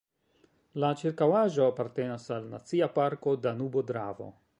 La ĉirkaŭaĵo apartenas al Nacia parko Danubo-Dravo.